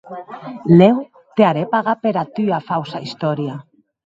Lèu te harè pagar pera tua fausa istòria.